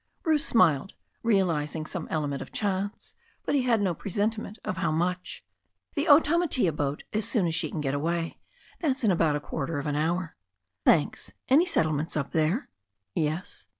Bruce smiled, realizing some element of chance. But be had no presentiment of how much. "The Otamatea boat, as soon as she can get away. That's in about a quarter of an hour." "Thanks. Any settlements up there?" "Yes."